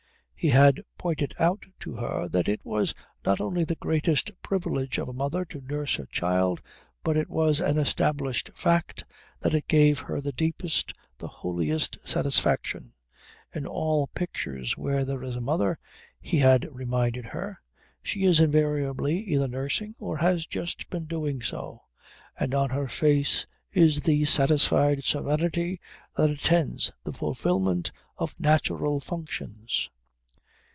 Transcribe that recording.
He had pointed out to her that it was not only the greatest privilege of a mother to nurse her child but it was an established fact that it gave her the deepest, the holiest satisfaction. In all pictures where there is a mother, he had reminded her, she is invariably either nursing or has just been doing so, and on her face is the satisfied serenity that attends the fulfilment of natural functions.